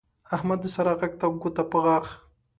احمد د سارا غږ ته ګوته په غاښ